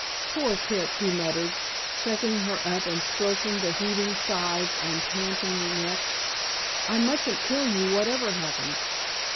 "Poor Kit!" he murmured, checking her up and stroking the heaving sides and panting neck. "I mustn't kill you whatever happens."